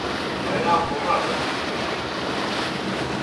Bâ ya guŋ á bə́ é ghə yə̌ cwəp.